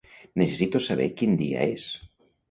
Necessito saber quin dia és.